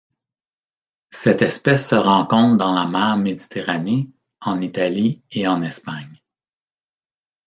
Cette espèce se rencontre dans la mer Méditerranée en Italie et en Espagne.